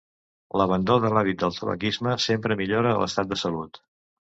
L'abandó de l'hàbit del tabaquisme sempre millora l'estat de salut.